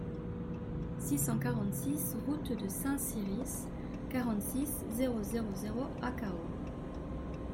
six cent quarante-six route de Saint-Cirice, quarante-six, zéro zéro zéro à Cahors